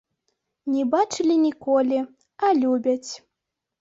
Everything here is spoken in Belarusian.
Не бачылі ніколі, а любяць.